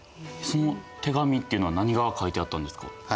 その手紙っていうのは何が書いてあったんですか？